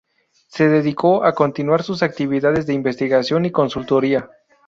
Se dedicó a continuar sus actividades de investigación y consultoría.